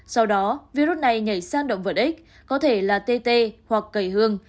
sau đó virus này nhảy sang động vật ích có thể là tt hoặc cầy hương